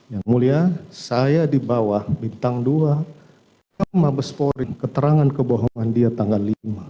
yang mulia saya di bawah bintang dua ke mabespori keterangan kebohongan dia tanggal lima